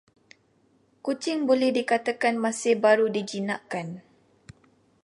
Kucing boleh dikatakan masih baru dijinakkan.